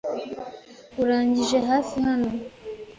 Urangije hafi hano?